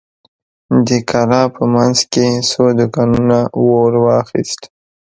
د کلا په مينځ کې څو دوکانونو اور واخيست.